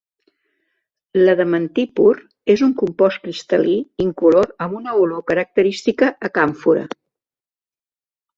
L'adamantí pur és un compost cristal·lí, incolor amb una olor característica a càmfora.